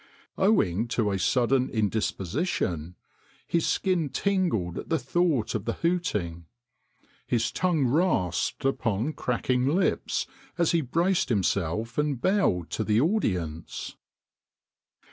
Owing to a sudden indisposition his skin tingled at the thought of the hooting. His tongue rasped upon cracking lips as he braced himself and bowed to the audience.